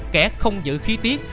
kẻ không giữ khí tiết